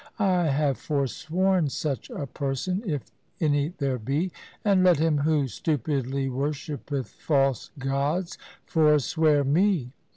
I have forsworn such a person, if any there be, and let him who stupidly worshippeth false gods forswear me.